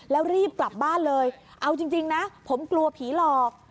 แล้วรีบกลับบ้านเลยเอาจริงนะผมกลัวผีหลอก